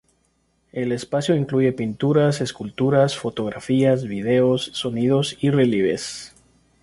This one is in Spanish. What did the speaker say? El espacio incluye pinturas, esculturas, fotografías, vídeos, sonidos y relieves.